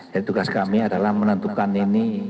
jadi tugas kami adalah menentukan ini